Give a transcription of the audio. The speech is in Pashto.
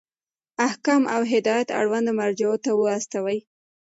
احکام او هدایات اړونده مرجعو ته واستوئ.